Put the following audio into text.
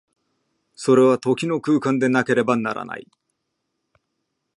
それは時の空間でなければならない。